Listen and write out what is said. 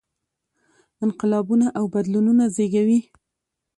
انقلابونه او بدلونونه زېږوي.